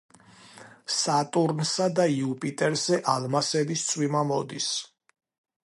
სატურნსა და იუპიტერზე ალმასების წვიმა მოდის.